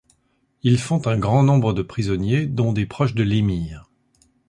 Ils font un grand nombre de prisonniers, dont des proches de l'émir.